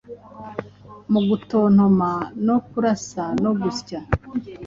Mu gutontoma no kurasa no gusya